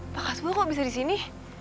pakas bul kok bisa disini